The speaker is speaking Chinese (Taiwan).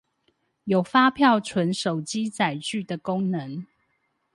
有發票存手機載具的功能